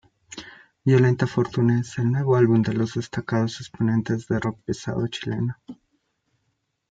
Violenta Fortuna es el nuevo álbum de los destacados exponentes de rock pesado chileno.